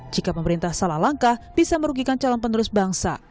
jika pemerintah salah langkah bisa merugikan calon penerus bangsa